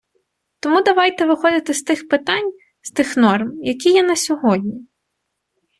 Тому давайте виходити з тих питань, з тих норм, які є на сьогодні.